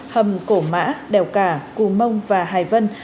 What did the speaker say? hầm cổ mã đèo cả cù mông và hải vân